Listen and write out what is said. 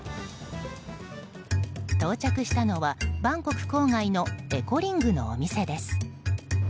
到着したのは、バンコク郊外のエコリングのお店です。